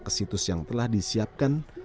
ke situs yang telah disiapkan